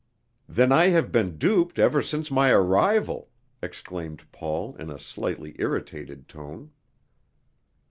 "Then I have been duped ever since my arrival!" exclaimed Paul in a slightly irritated tone.